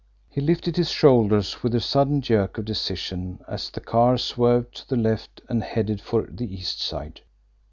He lifted his shoulders with a sudden jerk of decision as the car swerved to the left and headed for the East Side.